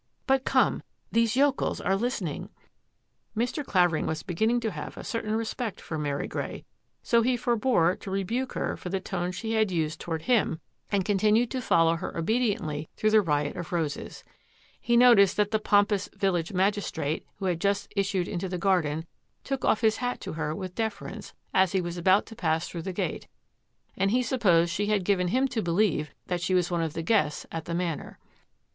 But come, these yokels are listening." Mr. Clavering was beginning to have a certain respect for Mary Grey, so he forbore to rebuke her for the tone she had used toward him and con 808 THAT AFFAIR AT THE MANOR tinued to follow her obediently through the riot of roses. He noticed that the pompous village mag istrate, who had just issued into the garden, took off his hat to her with deference as he was about to pass through the gate, and he supposed she had given him to believe that she was one of the guests at the Manor.